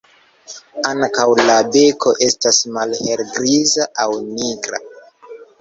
Ankaŭ la beko estas malhelgriza aŭ nigra.